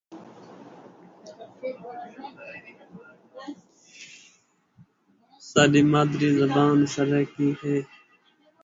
Batman's biological son Damian, however, believes in Superman's cause and sides with him.